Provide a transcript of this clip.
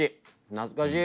懐かしい。